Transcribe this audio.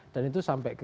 dan itu sampai sekarang